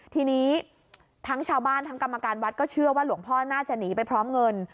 ทีนี้ทั้งชาวบ้านทั้งกรรมการวัดก็เชื่อว่าหลวงพ่อน่าจะหนีไปพร้อมเงิน